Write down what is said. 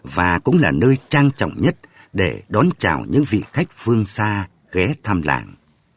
và cũng là nơi trang trọng nhất để đón chào những vị khách phương xa ghé thăm làng